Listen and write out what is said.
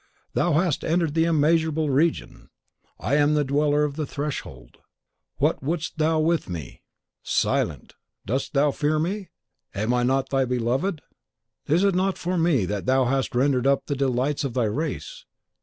"Thou hast entered the immeasurable region. I am the Dweller of the Threshold. What wouldst thou with me? Silent? Dost thou fear me? Am I not thy beloved? Is it not for me that thou hast rendered up the delights of thy race?